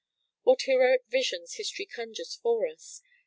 What heroic visions history conjures for us!